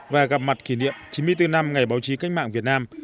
và gặp mặt kỷ niệm chín mươi bốn năm ngày báo chí cách mạng việt nam